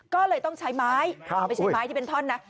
ก็เลยต้องใช้ไม้ไม่ใช่ไม้ที่เป็นท่อนนะ